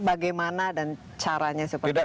bagaimana dan caranya seperti apa